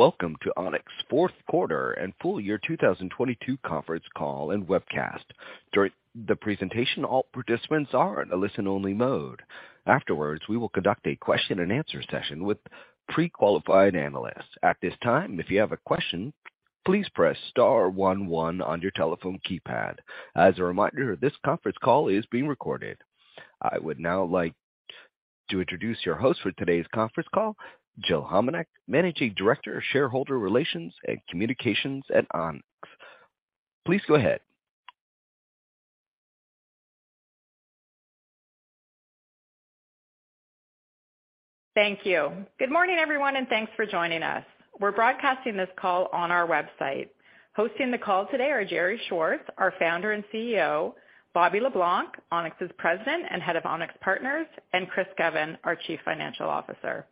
Welcome to Onex fourth quarter and full year 2022 conference call and webcast. During the presentation, all participants are in a listen-only mode. Afterwards, we will conduct a question and answer session with pre-qualified analysts. At this time, if you have a question, please press star one one on your telephone keypad. As a reminder, this conference call is being recorded. I would now like to introduce your host for today's conference call, Jill Homenuk, Managing Director, Shareholder Relations and Communications at Onex. Please go ahead. Thank you. Good morning, everyone, thanks for joining us. We're broadcasting this call on our website. Hosting the call today are Gerry Schwartz, our Founder and CEO, Bobby Le Blanc, Onex's President and Head of Onex Partners, and Chris Govan, our Chief Financial Officer.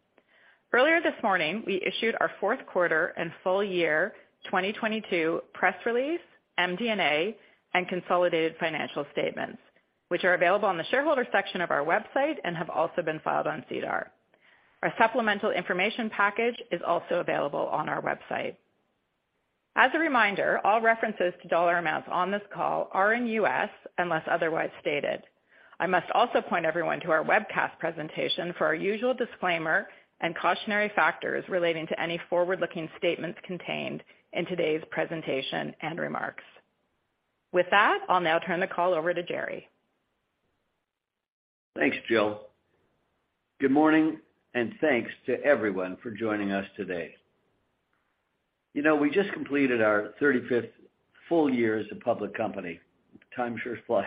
Earlier this morning, we issued our fourth quarter and full year 2022 press release, MD&A, and consolidated financial statements, which are available on the shareholder section of our website and have also been filed on SEDAR. Our supplemental information package is also available on our website. As a reminder, all references to dollar amounts on this call are in U.S., unless otherwise stated. I must also point everyone to our webcast presentation for our usual disclaimer and cautionary factors relating to any forward-looking statements contained in today's presentation and remarks. I'll now turn the call over to Gerry. Thanks, Jill. Good morning and thanks to everyone for joining us today. You know, we just completed our 35th full year as a public company. Time sure flies.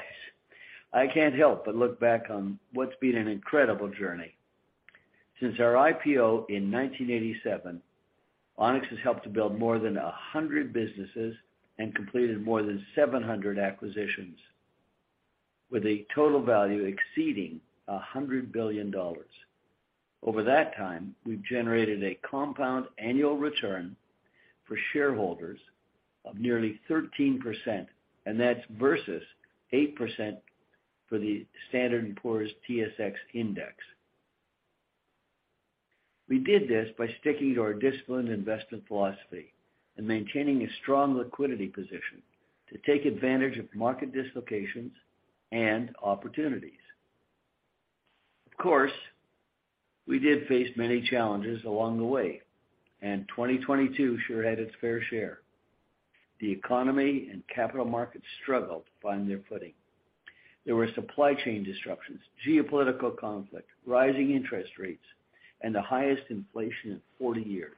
I can't help but look back on what's been an incredible journey. Since our IPO in 1987, Onex has helped to build more than 100 businesses and completed more than 700 acquisitions, with a total value exceeding $100 billion. Over that time, we've generated a compound annual return for shareholders of nearly 13%, and that's versus 8% for the S&P/TSX index. We did this by sticking to our disciplined investment philosophy and maintaining a strong liquidity position to take advantage of market dislocations and opportunities. Of course, we did face many challenges along the way, and 2022 sure had its fair share. The economy and capital markets struggled to find their footing. There were supply chain disruptions, geopolitical conflict, rising interest rates, and the highest inflation in 40 years.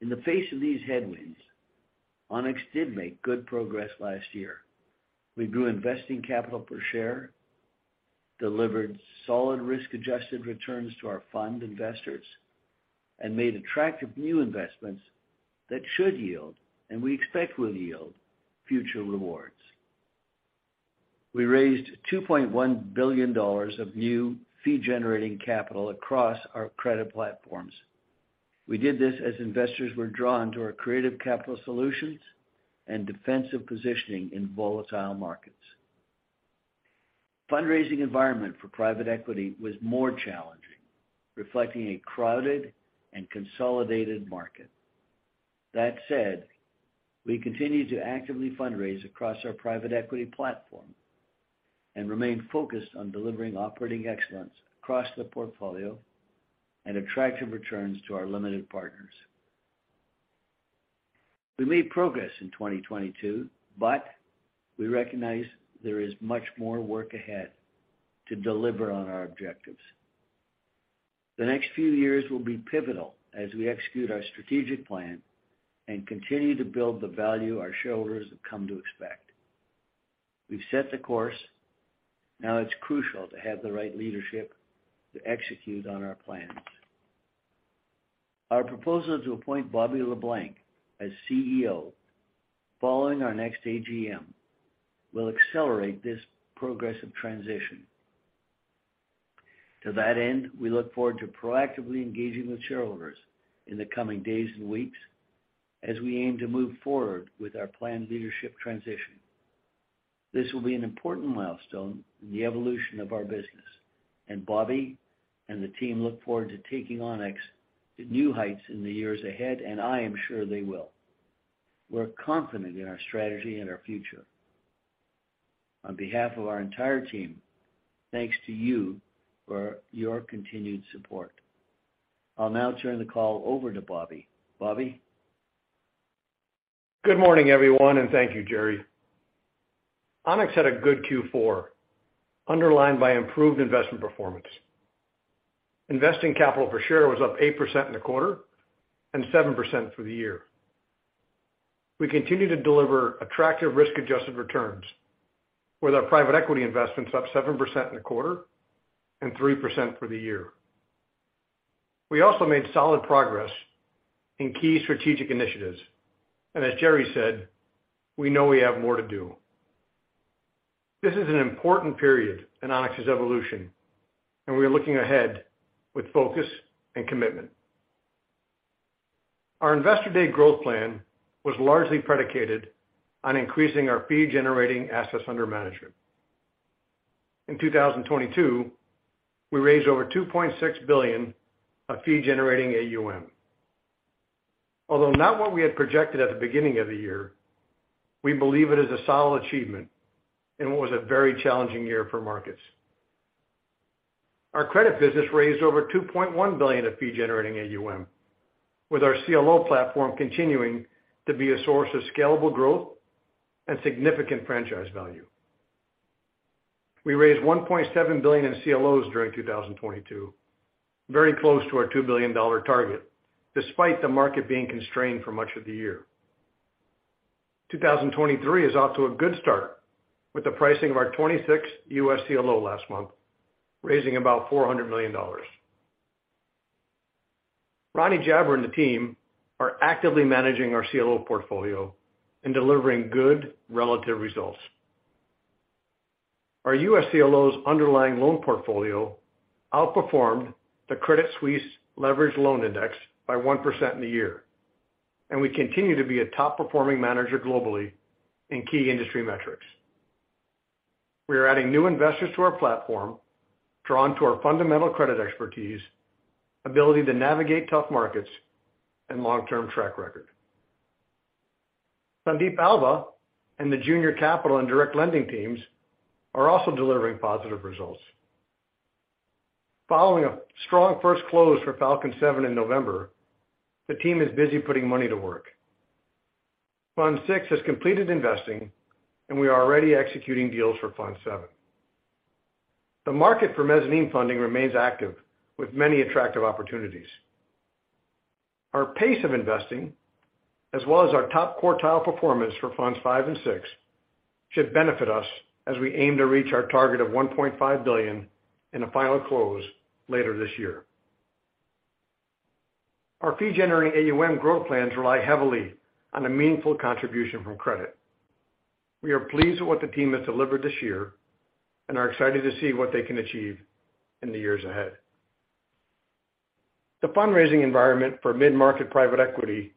In the face of these headwinds, Onex did make good progress last year. We grew investing capital per share, delivered solid risk-adjusted returns to our fund investors, and made attractive new investments that should yield, and we expect will yield, future rewards. We raised $2.1 billion of new fee-generating capital across our credit platforms. We did this as investors were drawn to our creative capital solutions and defensive positioning in volatile markets. Fundraising environment for private equity was more challenging, reflecting a crowded and consolidated market. We continue to actively fundraise across our private equity platform and remain focused on delivering operating excellence across the portfolio and attractive returns to our limited partners. We made progress in 2022, we recognize there is much more work ahead to deliver on our objectives. The next few years will be pivotal as we execute our strategic plan and continue to build the value our shareholders have come to expect. We've set the course. Now it's crucial to have the right leadership to execute on our plans. Our proposal to appoint Bobby Le Blanc as CEO following our next AGM will accelerate this progressive transition. To that end, we look forward to proactively engaging with shareholders in the coming days and weeks as we aim to move forward with our planned leadership transition. This will be an important milestone in the evolution of our business, Bobby and the team look forward to taking Onex to new heights in the years ahead, and I am sure they will. We're confident in our strategy and our future. On behalf of our entire team, thanks to you for your continued support. I'll now turn the call over to Bobby. Bobby? Good morning, everyone. Thank you, Gerry. Onex had a good Q4 underlined by improved investment performance. Investing capital per share was up 8% in the quarter and 7% through the year. We continue to deliver attractive risk-adjusted returns with our private equity investments up 7% in the quarter and 3% for the year. We also made solid progress in key strategic initiatives. As Gerry said, we know we have more to do. This is an important period in Onex's evolution. We are looking ahead with focus and commitment. Our Investor Day growth plan was largely predicated on increasing our fee-generating assets under management. In 2022, we raised over 2.6 billion of fee-generating AUM. Although not what we had projected at the beginning of the year, we believe it is a solid achievement in what was a very challenging year for markets. Our credit business raised over 2.1 billion of fee-generating AUM, with our CLO platform continuing to be a source of scalable growth and significant franchise value. We raised 1.7 billion in CLOs during 2022, very close to our $2 billion target, despite the market being constrained for much of the year. 2023 is off to a good start with the pricing of our 26 U.S. CLO last month, raising about $400 million. Ronnie Jaber and the team are actively managing our CLO portfolio and delivering good relative results. Our U.S. CLO's underlying loan portfolio outperformed the Credit Suisse Leveraged Loan Index by 1% in the year, and we continue to be a top-performing manager globally in key industry metrics. We are adding new investors to our platform, drawn to our fundamental credit expertise, ability to navigate tough markets, and long-term track record. Sandeep Alva and the junior capital and direct lending teams are also delivering positive results. Following a strong first close for Falcon Seven in November, the team is busy putting money to work. Fund six has completed investing, and we are already executing deals for Fund seven. The market for mezzanine funding remains active with many attractive opportunities. Our pace of investing, as well as our top quartile performance for funds five and six should benefit us as we aim to reach our target of 1.5 billion in a final close later this year. Our fee-generating AUM growth plans rely heavily on a meaningful contribution from credit. We are pleased with what the team has delivered this year and are excited to see what they can achieve in the years ahead. The fundraising environment for mid-market private equity,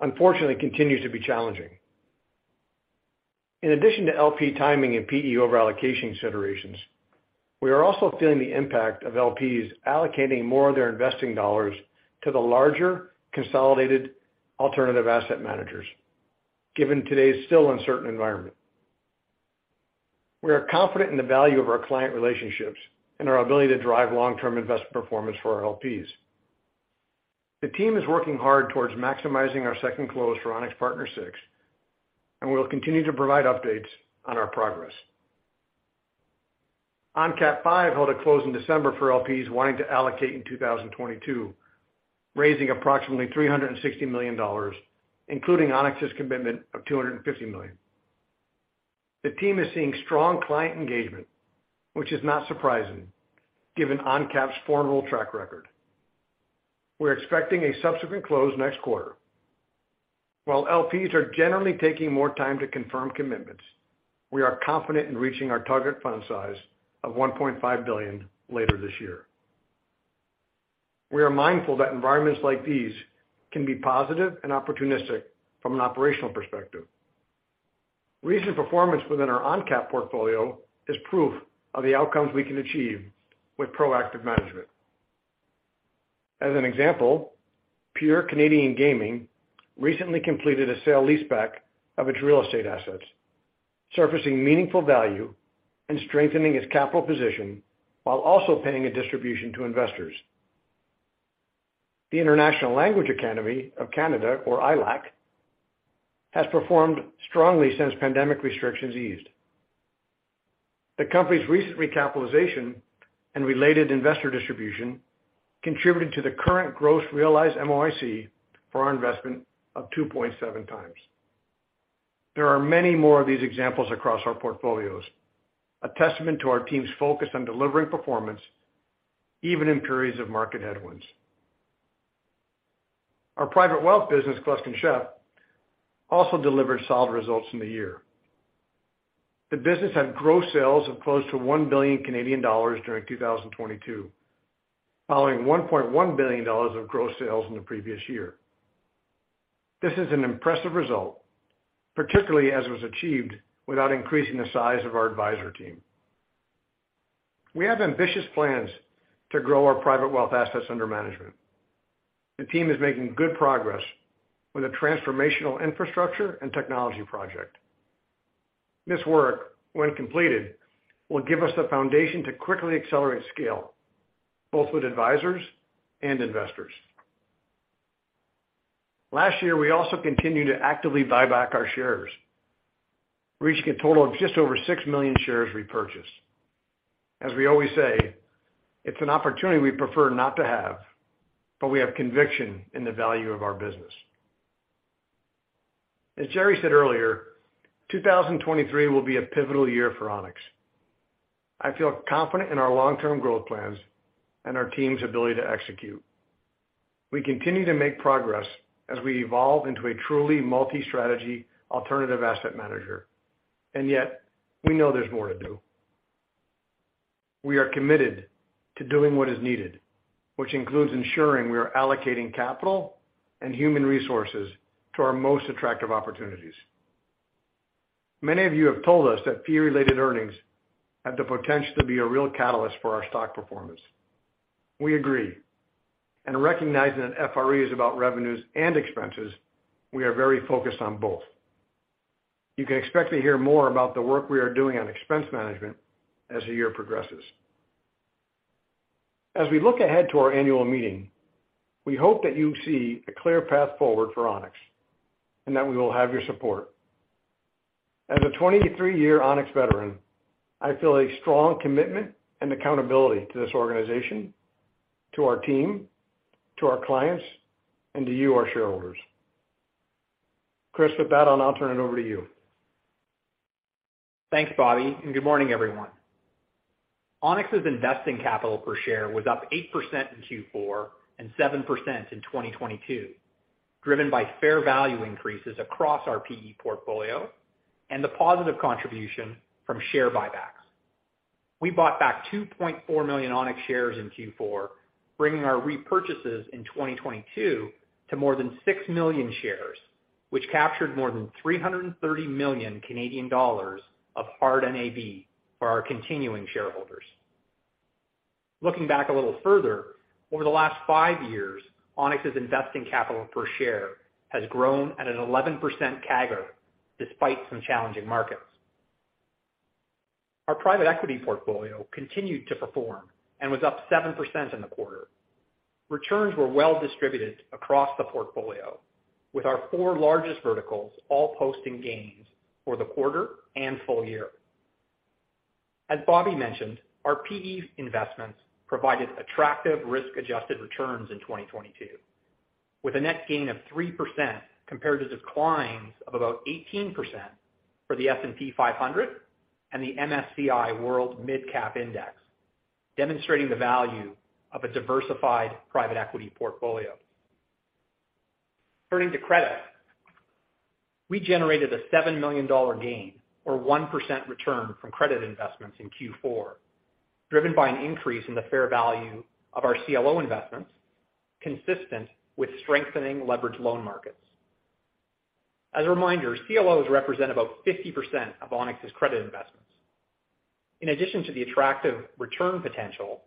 unfortunately, continues to be challenging. In addition to LP timing and PE over allocation considerations, we are also feeling the impact of LPs allocating more of their investing dollars to the larger consolidated alternative asset managers, given today's still uncertain environment. We are confident in the value of our client relationships and our ability to drive long-term investment performance for our LPs. The team is working hard towards maximizing our second close for Onex Partners VI. We will continue to provide updates on our progress. ONCAP V held a close in December for LPs wanting to allocate in 2022, raising approximately $360 million, including Onex's commitment of 250 million. The team is seeing strong client engagement, which is not surprising given ONCAP's formidable track record. We're expecting a subsequent close next quarter. While LPs are generally taking more time to confirm commitments, we are confident in reaching our target fund size of 1.5 billion later this year. We are mindful that environments like these can be positive and opportunistic from an operational perspective. Recent performance within our ONCAP portfolio is proof of the outcomes we can achieve with proactive management. As an example, PURE Canadian Gaming recently completed a sale-leaseback of its real estate assets, surfacing meaningful value and strengthening its capital position while also paying a distribution to investors. The International Language Academy of Canada, or ILAC, has performed strongly since pandemic restrictions eased. The company's recent recapitalization and related investor distribution contributed to the current gross realized MOIC for our investment of 2.7x. There are many more of these examples across our portfolios, a testament to our team's focus on delivering performance even in periods of market headwinds. Our private wealth business, Gluskin Sheff, also delivered solid results in the year. The business had gross sales of close to one billion Canadian dollars during 2022, following 1.1 billion dollars of gross sales in the previous year. This is an impressive result, particularly as was achieved without increasing the size of our advisor team. We have ambitious plans to grow our private wealth assets under management. The team is making good progress with a transformational infrastructure and technology project. This work, when completed, will give us the foundation to quickly accelerate scale, both with advisors and investors. Last year, we also continued to actively buy back our shares, reaching a total of just over six million shares repurchased. As we always say, it's an opportunity we prefer not to have, but we have conviction in the value of our business. As Gerry said earlier, 2023 will be a pivotal year for Onex. I feel confident in our long-term growth plans and our team's ability to execute. We continue to make progress as we evolve into a truly multi-strategy alternative asset manager. Yet, we know there's more to do. We are committed to doing what is needed, which includes ensuring we are allocating capital and human resources to our most attractive opportunities. Many of you have told us that fee-related earnings have the potential to be a real catalyst for our stock performance. We agree. Recognizing that FRE is about revenues and expenses, we are very focused on both. You can expect to hear more about the work we are doing on expense management as the year progresses. As we look ahead to our annual meeting, we hope that you see a clear path forward for Onex, and that we will have your support. As a 23-year Onex veteran, I feel a strong commitment and accountability to this organization, to our team, to our clients, and to you, our shareholders. Chris, with that, I'll now turn it over to you. Thanks, Bobby. Good morning, everyone. Onex's investing capital per share was up 8% in Q4 and 7% in 2022, driven by fair value increases across our PE portfolio and the positive contribution from share buybacks. We bought back 2.4 million Onex shares in Q4, bringing our repurchases in 2022 to more than 6 million shares, which captured more than 330 million Canadian dollars of hard NAV for our continuing shareholders. Looking back a little further, over the last five years, Onex's investing capital per share has grown at an 11% CAGR despite some challenging markets. Our private equity portfolio continued to perform and was up 7% in the quarter. Returns were well distributed across the portfolio, with our four largest verticals all posting gains for the quarter and full year. As Bobby mentioned, our PE investments provided attractive risk-adjusted returns in 2022, with a net gain of 3% compared to declines of about 18% for the S&P 500 and the MSCI World Mid Cap Index, demonstrating the value of a diversified private equity portfolio. Turning to credit, we generated a $7 million gain or 1% return from credit investments in Q4, driven by an increase in the fair value of our CLO investments consistent with strengthening leveraged loan markets. As a reminder, CLOs represent about 50% of Onex's credit investments. In addition to the attractive return potential,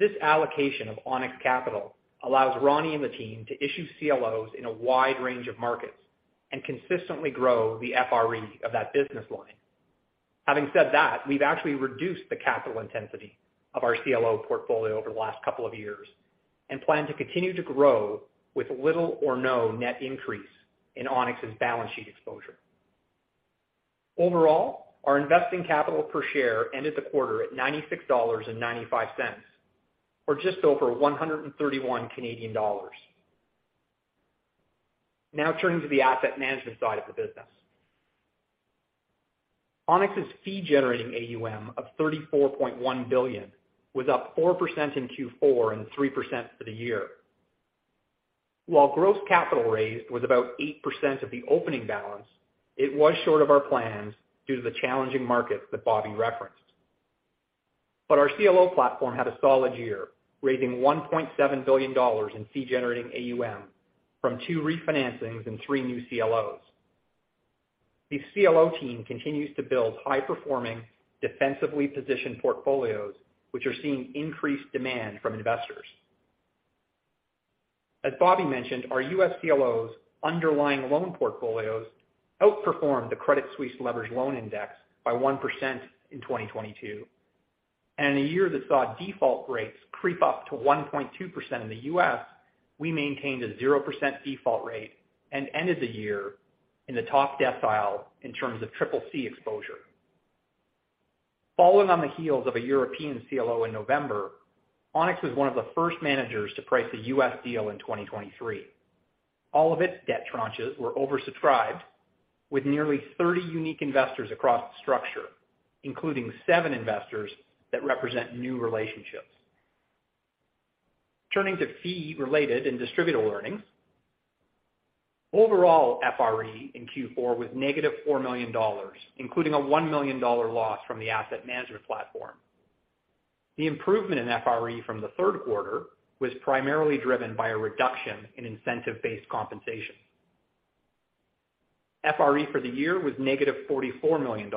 this allocation of Onex capital allows Ronnie and the team to issue CLOs in a wide range of markets and consistently grow the FRE of that business line. Having said that, we've actually reduced the capital intensity of our CLO portfolio over the last couple of years and plan to continue to grow with little or no net increase in Onex's balance sheet exposure. Overall, our investing capital per share ended the quarter at $96.95, or just over 131 Canadian dollars. Turning to the asset management side of the business. Onex's fee-generating AUM of 34.1 billion was up 4% in Q4 and 3% for the year. While gross capital raised was about 8% of the opening balance, it was short of our plans due to the challenging markets that Bobby referenced. Our CLO platform had a solid year, raising $1.7 billion in fee-generating AUM from two refinancings and three new CLOs. The CLO team continues to build high-performing, defensively positioned portfolios, which are seeing increased demand from investors. As Bobby mentioned, our U.S. CLOs' underlying loan portfolios outperformed the Credit Suisse Leveraged Loan Index by 1% in 2022. In a year that saw default rates creep up to 1.2% in the U.S., we maintained a 0% default rate and ended the year in the top decile in terms of CCC exposure. Following on the heels of a European CLO in November, Onex was one of the first managers to price a U.S. deal in 2023. All of its debt tranches were oversubscribed with nearly 30 unique investors across the structure, including seven investors that represent new relationships. Turning to fee-related and distributor earnings. Overall FRE in Q4 was negative $4 million, including a $1 million loss from the asset management platform. The improvement in FRE from the third quarter was primarily driven by a reduction in incentive-based compensation. FRE for the year was negative $44 million,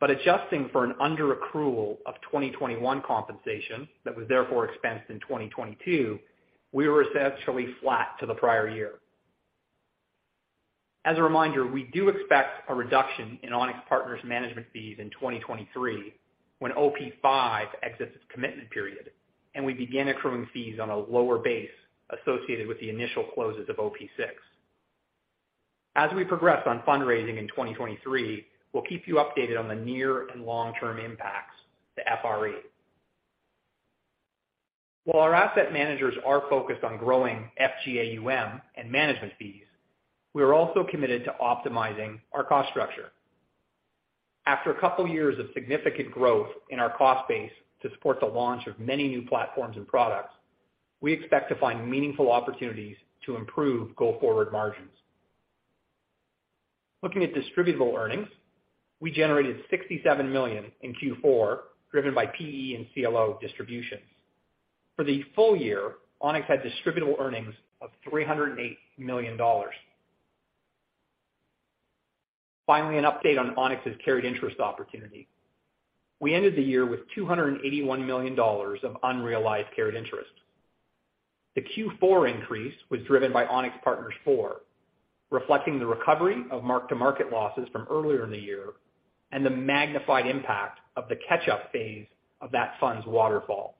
adjusting for an underaccrual of 2021 compensation that was therefore expensed in 2022, we were essentially flat to the prior year. As a reminder, we do expect a reduction in Onex Partners management fees in 2023 when OP V exits its commitment period, and we begin accruing fees on a lower base associated with the initial closes of OP VI. As we progress on fundraising in 2023, we'll keep you updated on the near and long-term impacts to FRE. While our asset managers are focused on growing FGAUM and management fees, we are also committed to optimizing our cost structure. After a couple of years of significant growth in our cost base to support the launch of many new platforms and products, we expect to find meaningful opportunities to improve go-forward margins. Looking at distributable earnings, we generated $67 million in Q4, driven by PE and CLO distributions. For the full year, Onex had distributable earnings of $308 million. Finally, an update on Onex's carried interest opportunity. We ended the year with $281 million of unrealized carried interest. The Q4 increase was driven by Onex Partners IV, reflecting the recovery of mark-to-market losses from earlier in the year and the magnified impact of the catch-up phase of that fund's waterfall.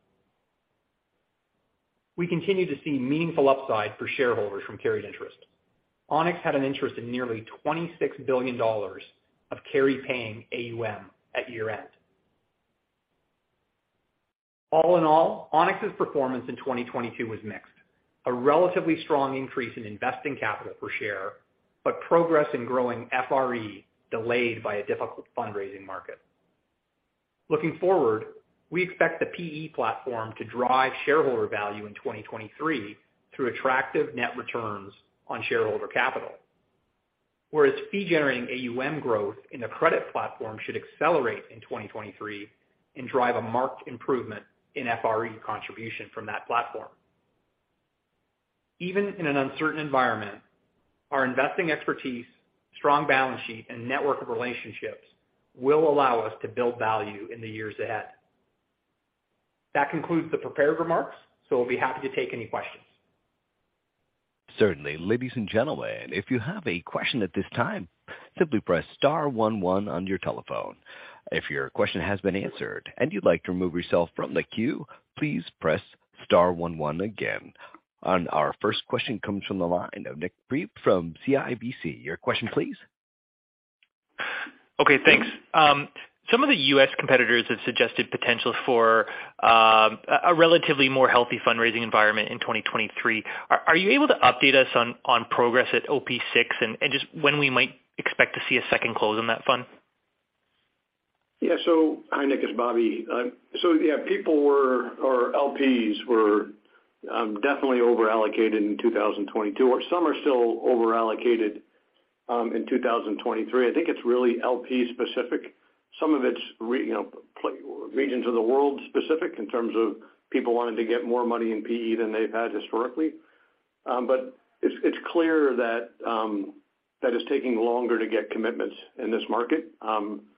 We continue to see meaningful upside for shareholders from carried interest. Onex had an interest in nearly $26 billion of carry paying AUM at year-end. All in all, Onex's performance in 2022 was mixed. A relatively strong increase in investing capital per share, but progress in growing FRE delayed by a difficult fundraising market. Looking forward, we expect the PE platform to drive shareholder value in 2023 through attractive net returns on shareholder capital. Whereas fee-generating AUM growth in the credit platform should accelerate in 2023 and drive a marked improvement in FRE contribution from that platform. Even in an uncertain environment, our investing expertise, strong balance sheet, and network of relationships will allow us to build value in the years ahead. That concludes the prepared remarks. We'll be happy to take any questions. Certainly. Ladies and gentlemen, if you have a question at this time, simply press star 11 on your telephone. If your question has been answered and you'd like to remove yourself from the queue, please press star 11 again. Our first question comes from the line of Nik Priebe from CIBC. Your question please. Okay, thanks. Some of the U.S. competitors have suggested potential for a relatively more healthy fundraising environment in 2023. Are you able to update us on progress at OP VI and just when we might expect to see a second close on that fund? Hi, Nik, it's Bobby Le Blanc. Yeah, people were, or LPs were, definitely over-allocated in 2022, or some are still over-allocated, in 2023. I think it's really LP specific. Some of it's, you know, regions of the world specific in terms of people wanting to get more money in PE than they've had historically. But it's clear that it's taking longer to get commitments in this market than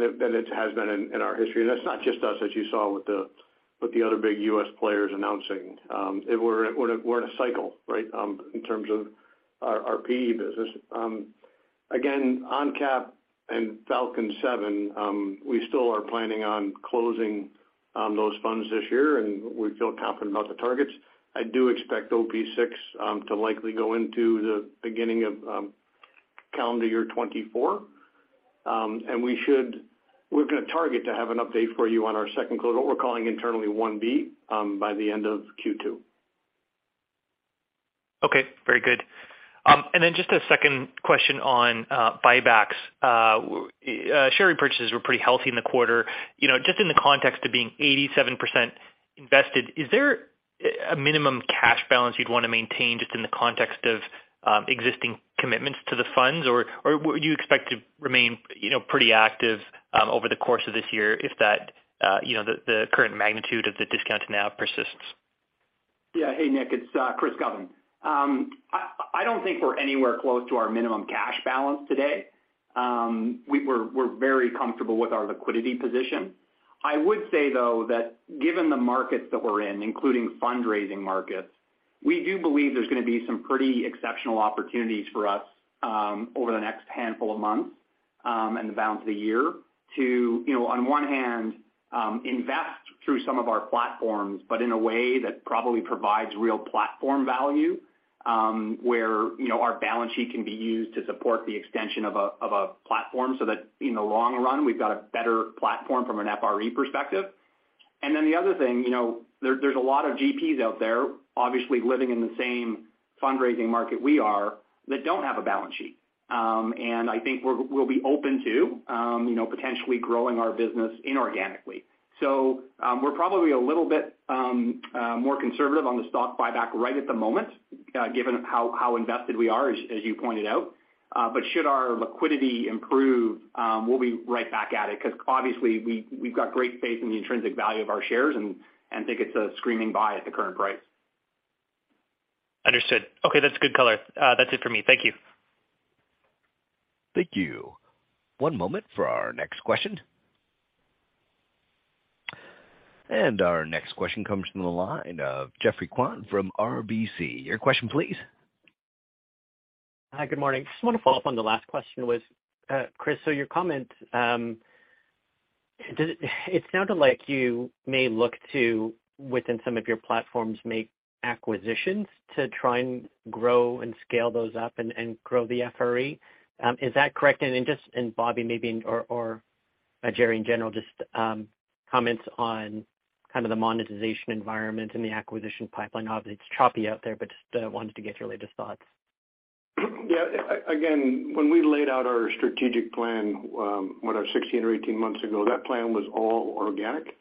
it has been in our history. That's not just us, as you saw with the, with the other big U.S. players announcing. We're in a cycle, right? In terms of our PE business. Again, ONCAP and Falcon Seven, we still are planning on closing those funds this year, and we feel confident about the targets. I do expect OP VI to likely go into the beginning of calendar year 2024. We're gonna target to have an update for you on our second close, what we're calling internally 1B, by the end of Q2. Okay. Very good. Just a second question on buybacks. Share repurchases were pretty healthy in the quarter. You know, just in the context of being 87% invested, is there a minimum cash balance you'd wanna maintain just in the context of existing commitments to the funds? Or would you expect to remain, you know, pretty active over the course of this year if that, you know, the current magnitude of the discount to NAV persists? Yeah. Hey, Nick, it's Chris Govan. I don't think we're anywhere close to our minimum cash balance today. We're, we're very comfortable with our liquidity position. I would say, though, that given the markets that we're in, including fundraising markets, we do believe there's gonna be some pretty exceptional opportunities for us over the next handful of months and the balance of the year to, you know, on one hand, invest through some of our platforms, but in a way that probably provides real platform value, where, you know, our balance sheet can be used to support the extension of a platform so that in the long run we've got a better platform from an FRE perspective. The other thing, you know, there's a lot of GPs out there obviously living in the same fundraising market we are that don't have a balance sheet. I think we'll be open to, you know, potentially growing our business inorganically. We're probably a little bit more conservative on the stock buyback right at the moment, given how invested we are, as you pointed out. But should our liquidity improve, we'll be right back at it 'cause obviously we've got great faith in the intrinsic value of our shares and think it's a screaming buy at the current price. Understood. Okay, that's good color. That's it for me. Thank you. Thank you. One moment for our next question. Our next question comes from the line of Geoffrey Kwan from RBC. Your question please. Hi, good morning. Just wanna follow up on the last question with Chris. Your comment, it sounded like you may look to, within some of your platforms, make acquisitions to try and grow and scale those up and grow the FRE. Is that correct? Just, and Bobby maybe, or Gerry in general, just comment on kind of the monetization environment and the acquisition pipeline. Obviously, it's choppy out there, just wanted to get your latest thoughts. Yeah. Again, when we laid out our strategic plan, what, 16 or 18 months ago, that plan was all organic.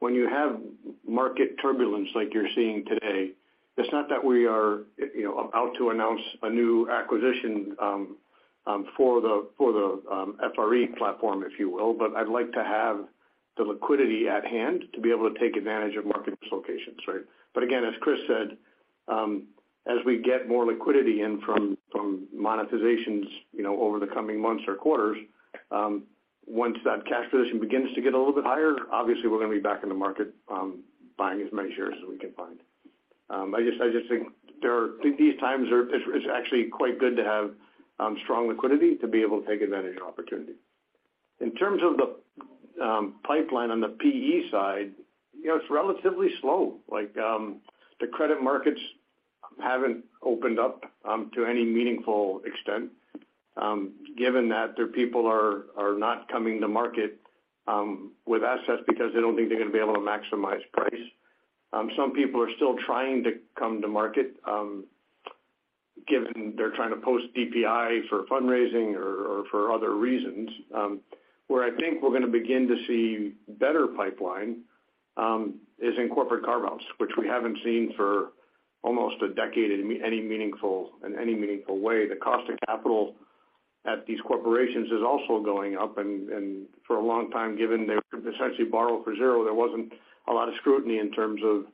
When you have market turbulence like you're seeing today, it's not that we are, you know, about to announce a new acquisition for the FRE platform, if you will, but I'd like to have the liquidity at hand to be able to take advantage of market dislocations. Right? Again, as Chris said, as we get more liquidity in from monetizations, you know, over the coming months or quarters, once that cash position begins to get a little bit higher, obviously we're gonna be back in the market, buying as many shares as we can find. I just think these times are actually quite good to have strong liquidity to be able to take advantage of opportunity. In terms of the pipeline on the PE side, you know, it's relatively slow. Like, the credit markets haven't opened up to any meaningful extent, given that their people are not coming to market with assets because they don't think they're gonna be able to maximize price. Some people are still trying to come to market, given they're trying to post DPI for fundraising or for other reasons. Where I think we're gonna begin to see better pipeline is in corporate carve-outs, which we haven't seen for almost a decade in any meaningful way. The cost of capital at these corporations is also going up and for a long time, given they could essentially borrow for 0, there wasn't a lot of scrutiny in terms of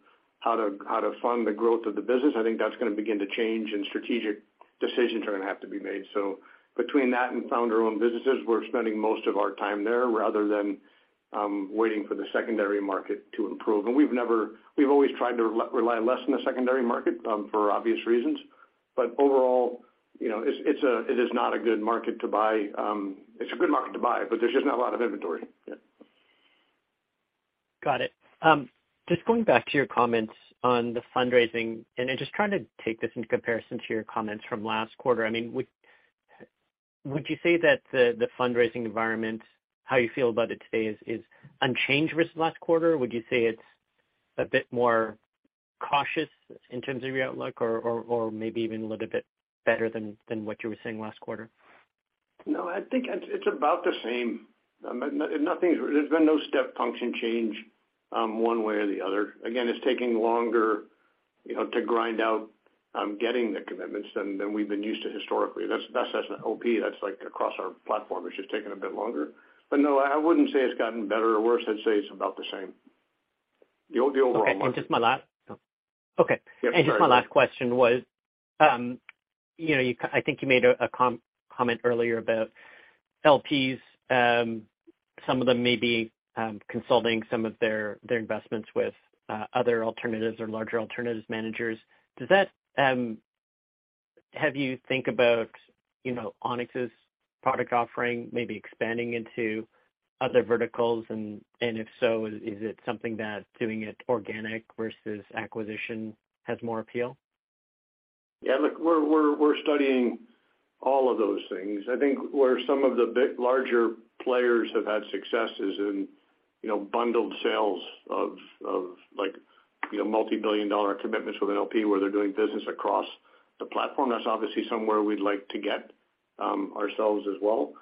how to fund the growth of the business. I think that's gonna begin to change. Strategic decisions are gonna have to be made. Between that and founder-owned businesses, we're spending most of our time there rather than waiting for the secondary market to improve. We've always tried to rely less on the secondary market for obvious reasons, but overall, you know, it is not a good market to buy. It's a good market to buy, there's just not a lot of inventory. Yeah. Got it. just going back to your comments on the fundraising and then just trying to take this in comparison to your comments from last quarter. I mean, would you say that the fundraising environment, how you feel about it today is unchanged versus last quarter? Would you say it's a bit more cautious in terms of your outlook or maybe even a little bit better than what you were saying last quarter? No, I think it's about the same. There's been no step function change one way or the other. Again, it's taking longer, you know, to grind out getting the commitments than we've been used to historically. That's as an OP. That's like across our platform. It's just taking a bit longer. No, I wouldn't say it's gotten better or worse. I'd say it's about the same. The overall market- Okay, just my last... Oh, okay. Yeah, sorry. Go ahead. Just my last question was, you know, I think you made a comment earlier about LPs, some of them may be consulting some of their investments with other alternatives or larger alternatives managers. Does that have you think about, you know, Onex's product offering maybe expanding into other verticals? If so, is it something that doing it organic versus acquisition has more appeal? Yeah, look, we're studying all of those things. I think where some of the bit larger players have had success is in, you know, bundled sales of, like, you know, multi-billion dollar commitments with an LP where they're doing business across the platform. That's obviously somewhere we'd like to get ourselves as well.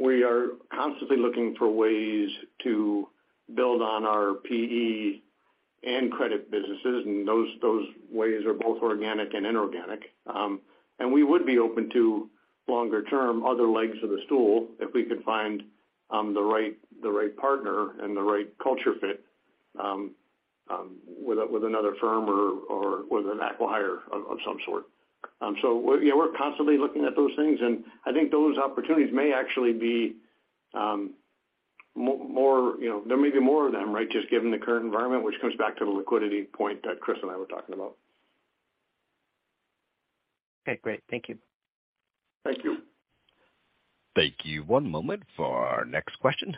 We are constantly looking for ways to build on our PE and credit businesses, and those ways are both organic and inorganic. We would be open to longer term other legs of the stool if we could find the right partner and the right culture fit with another firm or with an acqui-hire of some sort. Yeah, we're constantly looking at those things, and I think those opportunities may actually be, more, you know, there may be more of them, right? Just given the current environment, which comes back to the liquidity point that Chris and I were talking about. Okay, great. Thank you. Thank you. Thank you. One moment for our next question.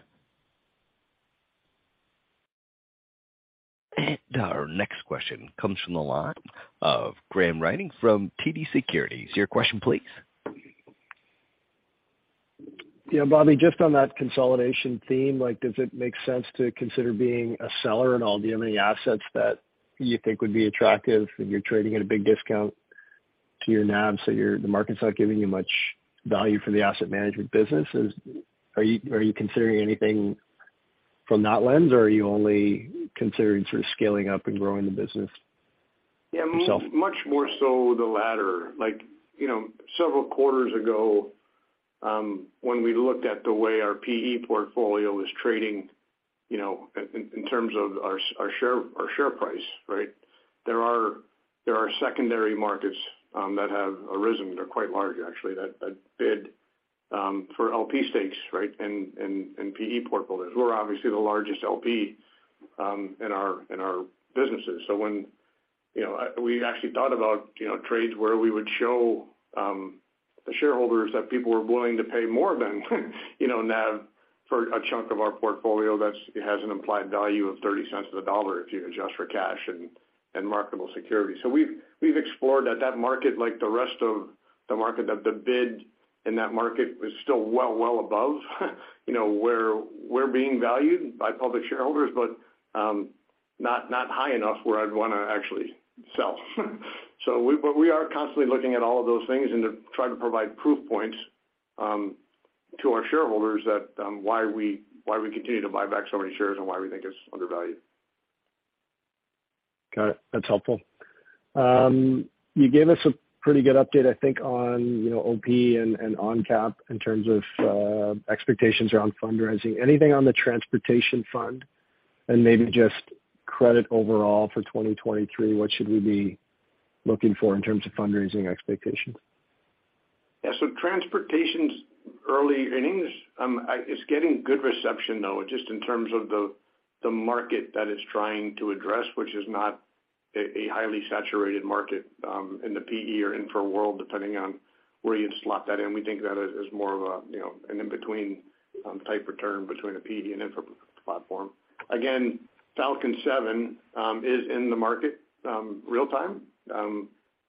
Our next question comes from the line of Graham Ryding from TD Securities. Your question please. Yeah, Bobby, just on that consolidation theme, like does it make sense to consider being a seller at all? Do you have any assets that you think would be attractive, and you're trading at a big discount to your NAV, so the market's not giving you much value for the asset management business? Are you considering anything from that lens, or are you only considering sort of scaling up and growing the business yourself? Yeah, much more so the latter. Like, you know, several quarters ago, when we looked at the way our PE portfolio was trading, you know, in terms of our share price, right? There are secondary markets that have arisen. They're quite large actually, that bid for LP stakes, right? And PE portfolios. We're obviously the largest LP in our businesses. When, you know, we actually thought about, you know, trades where we would show shareholders that people were willing to pay more than you know, NAV for a chunk of our portfolio, it has an implied value of 0.30 to the dollar if you adjust for cash and marketable securities. We've explored that market like the rest of the market, that the bid in that market was still well above, you know, where we're being valued by public shareholders, but not high enough where I'd wanna actually sell. But we are constantly looking at all of those things and to try to provide proof points to our shareholders that why we continue to buy back so many shares and why we think it's undervalued. Got it. That's helpful. You gave us a pretty good update, I think, on, you know, OP and ONCAP in terms of expectations around fundraising. Anything on the transportation fund and maybe just credit overall for 2023, what should we be looking for in terms of fundraising expectations? Yeah. Transportation's early innings. It's getting good reception though, just in terms of the market that it's trying to address, which is not a highly saturated market in the PE or infra world, depending on where you'd slot that in. We think of that as more of a, you know, an in-between type return between a PE and infra platform. Falcon Sevenis in the market real time.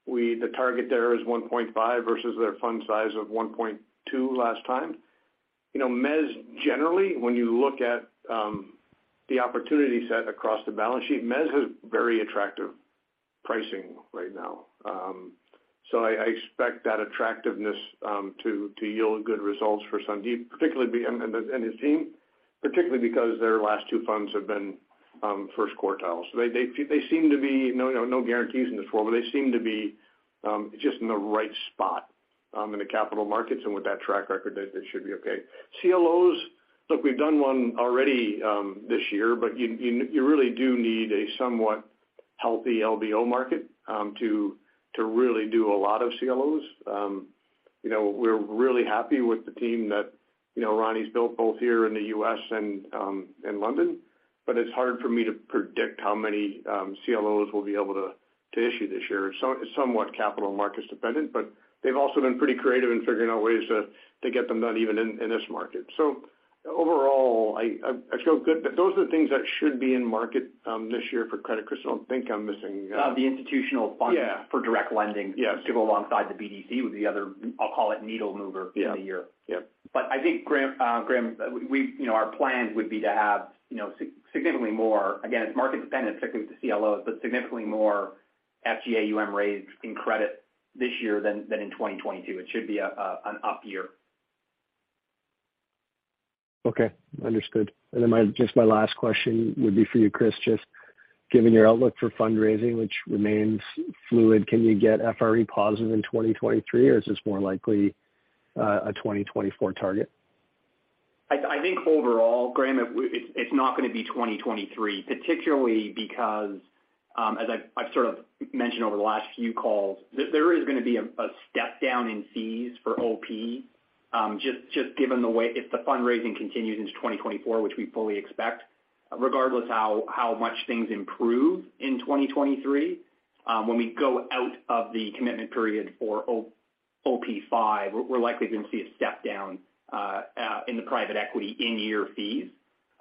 The target there is 1.5 versus their fund size of 1.2 last time. You know, mezz, generally, when you look at the opportunity set across the balance sheet, mezz has very attractive pricing right now. I expect that attractiveness to yield good results for Sandeep and his team, particularly because their last two funds have been first quartile. They seem to be... You know, no guarantees in this role, but they seem to be just in the right spot in the capital markets, and with that track record, they should be okay. CLOs, look, we've done one already this year, but you really do need a somewhat healthy LBO market to really do a lot of CLOs. You know, we're really happy with the team that, you know, Ronnie's built both here in the U.S. and in London, but it's hard for me to predict how many CLOs we'll be able to issue this year. It's somewhat capital markets dependent, but they've also been pretty creative in figuring out ways to get them done even in this market. Overall, I feel good. Those are the things that should be in market this year for Onex Credit. I don't think I'm missing. The institutional fund- Yeah. -for direct lending- Yeah. -to go alongside the BDC with the other, I'll call it, needle mover- Yeah. in the year. Yeah. I think, Graham, you know, our plans would be to have, you know, significantly more, again, it's market dependent, particularly with the CLOs, but significantly more FGAUM raised in credit this year than in 2022. It should be an up year. Okay. Understood. Just my last question would be for you, Chris. Just given your outlook for fundraising, which remains fluid, can you get FRE positive in 2023, or is this more likely a 2024 target? I think overall, Graham, it's not gonna be 2023, particularly because, as I've sort of mentioned over the last few calls, there is gonna be a step down in fees for OP, just given the way... If the fundraising continues into 2024, which we fully expect, regardless how much things improve in 2023, when we go out of the commitment period for OP V, we're likely gonna see a step down in the private equity in-year fees.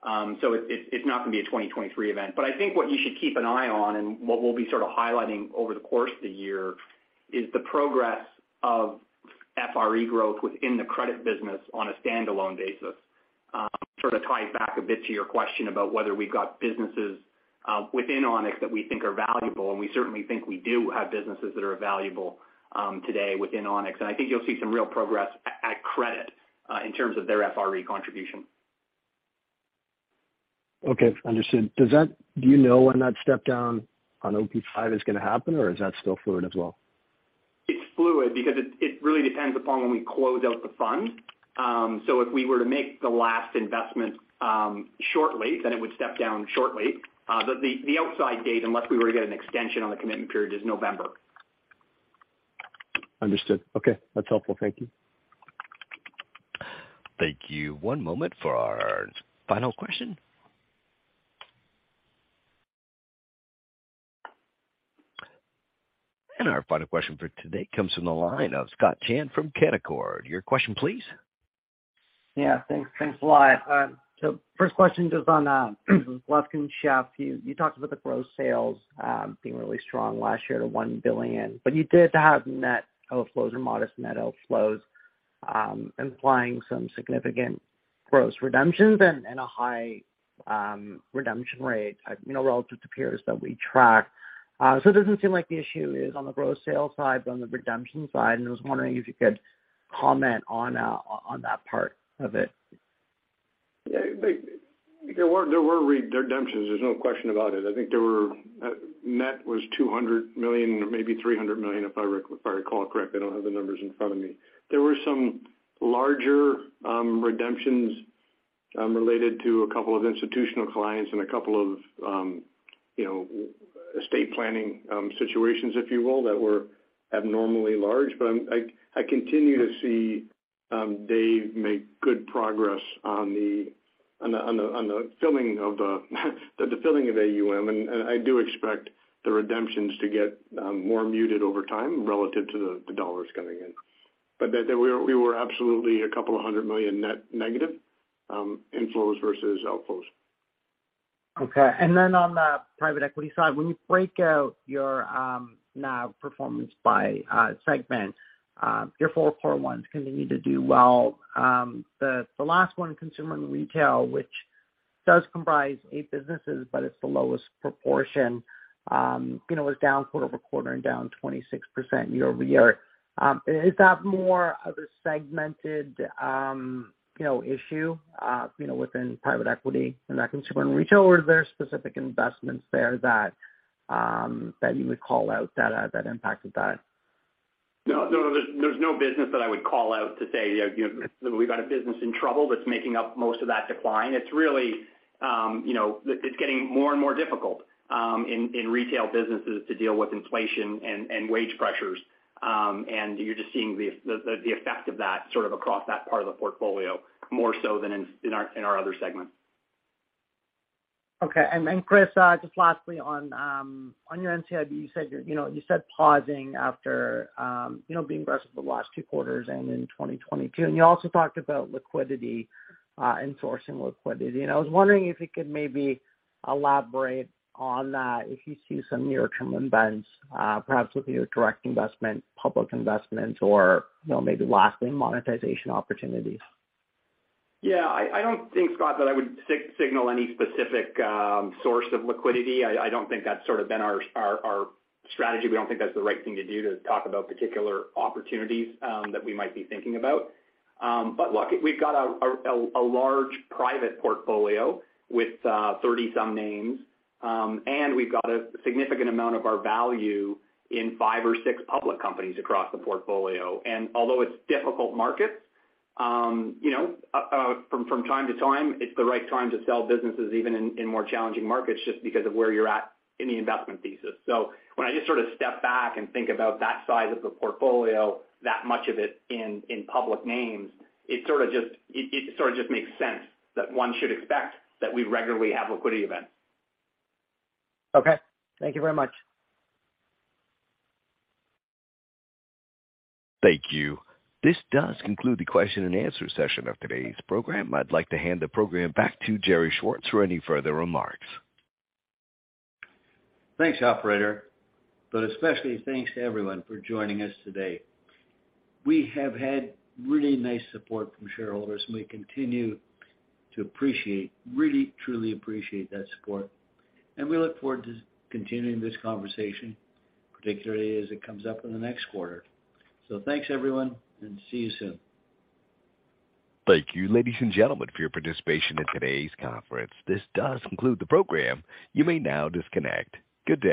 It's not gonna be a 2023 event. I think what you should keep an eye on, and what we'll be sort of highlighting over the course of the year, is the progress of FRE growth within the credit business on a standalone basis. sort of tying back a bit to your question about whether we've got businesses, within Onex that we think are valuable, and we certainly think we do have businesses that are valuable, today within Onex. I think you'll see some real progress at credit, in terms of their FRE contribution. Okay. Understood. Do you know when that step down on OP V is gonna happen, or is that still fluid as well? It's fluid because it really depends upon when we close out the fund. If we were to make the last investment shortly, then it would step down shortly. The outside date, unless we were to get an extension on the commitment period, is November. Understood. Okay. That's helpful. Thank you. Thank you. One moment for our final question. Our final question for today comes from the line of Scott Chan from Canaccord. Your question, please. Yeah. Thanks a lot. First question just on Gluskin Sheff. You talked about the gross sales being really strong last year to 1 billion, you did have net outflows or modest net outflows implying some significant gross redemptions and a high redemption rate relative to peers that we track. It doesn't seem like the issue is on the gross sales side but on the redemption side, I was wondering if you could comment on that part of it. Yeah. There were redemptions, there's no question about it. I think there were net was 200 million or maybe 300 million, if I recall correctly. I don't have the numbers in front of me. There were some larger redemptions related to a couple of institutional clients and a couple of estate planning situations, if you will, that were abnormally large. I continue to see Dave make good progress on the filling of AUM. I do expect the redemptions to get more muted over time relative to the dollars coming in. That we were absolutely 200 million net negative inflows versus outflows. Okay. Then on the private equity side, when you break out your now performance by segment, your four core ones continue to do well. The last one, consumer and retail, which Does comprise eight businesses, but it's the lowest proportion, you know, was down quarter-over-quarter and down 26% year-over-year. Is that more of a segmented, you know, issue, you know, within private equity and that consumer and retail, or are there specific investments there that you would call out that impacted that? No, there's no business that I would call out to say, you know, we've got a business in trouble that's making up most of that decline. It's really, you know, it's getting more and more difficult in retail businesses to deal with inflation and wage pressures. You're just seeing the effect of that sort of across that part of the portfolio more so than in our other segments. Okay. Chris, just lastly on your NCIB, you said you're, you know, pausing after, you know, being aggressive the last 2 quarters and in 2022, and you also talked about liquidity and sourcing liquidity. I was wondering if you could maybe elaborate on that, if you see some near-term events, perhaps with your direct investment, public investment or, you know, maybe lasting monetization opportunities. Yeah. I don't think, Scott, that I would signal any specific source of liquidity. I don't think that's sort of been our strategy. We don't think that's the right thing to do, to talk about particular opportunities that we might be thinking about. But look, we've got a large private portfolio with 30-some names. We've got a significant amount of our value in five or six public companies across the portfolio. Although it's difficult markets, you know, from time to time it's the right time to sell businesses even in more challenging markets just because of where you're at in the investment thesis. When I just sort of step back and think about that size of the portfolio, that much of it in public names, it sort of just makes sense that one should expect that we regularly have liquidity events. Okay. Thank you very much. Thank you. This does conclude the question and answer session of today's program. I'd like to hand the program back to Gerry Schwartz for any further remarks. Thanks, operator. Especially thanks to everyone for joining us today. We have had really nice support from shareholders, and we continue to appreciate, really, truly appreciate that support. We look forward to continuing this conversation, particularly as it comes up in the next quarter. Thanks, everyone, and see you soon. Thank you, ladies and gentlemen, for your participation in today's conference. This does conclude the program. You may now disconnect. Good day.